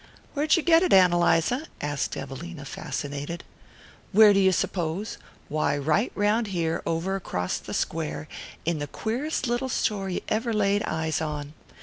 "Where'd you get it, Ann Eliza?" asked Evelina, fascinated. "Where'd you s'pose? Why, right round here, over acrost the Square, in the queerest little store you ever laid eyes on.